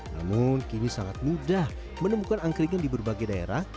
namun kini sangat mudah menemukan angkringan di berbagai daerah